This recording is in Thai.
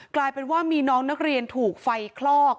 กลายเป็นว่ามีน้องนักเรียนถูกไฟคลอก